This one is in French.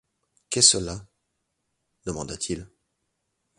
Qu’est cela ? demanda-t-il.